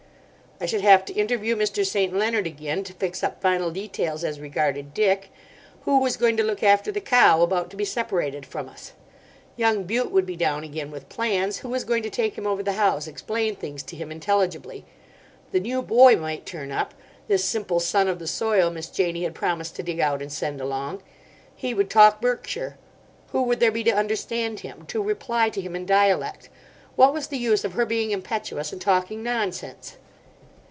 I should have to interview Mr. St. Leonard again to fix up final details as regarded Dick. Who was going to look after the cow, about to be separated from us? Young Bute would be down again with plans. Who was going to take him over the house, explain things to him intelligibly? The new boy might turn up—this simple son of the soil Miss Janie had promised to dig out and send along. He would talk Berkshire. Who would there be to understand him—to reply to him in dialect? What was the use of her being impetuous and talking nonsense?